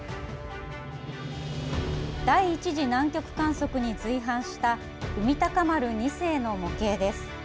第１次南極観測に随伴した「海鷹丸２世」の模型です。